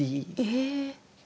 ええ！